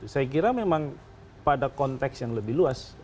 saya kira memang pada konteks yang lebih luas